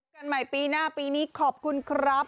กันใหม่ปีหน้าปีนี้ขอบคุณครับ